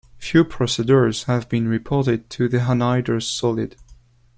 Few procedures have been reported to the anhydrous solid.